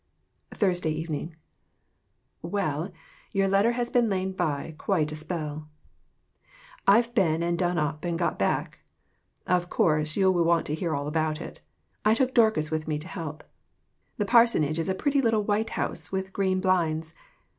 THURSDAY EVENING. Well, your letter has lain by quite a spell. I've 6 AUNT HANNAH S LETTER TO HER SISTER. been and done it up and got back. Of course you want to hear all about it. I took Dorcas with me to help. The parsonage is a pretty little white house, with green blinds.